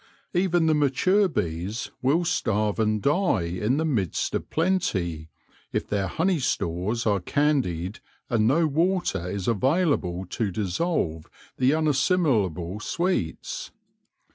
Even the mature bees will starve and die EARLY WORK IN THE BEE CITY 59 in the midst of plenty, if their honey stores are candied and no water is available to dissolve the unassimilable sweets.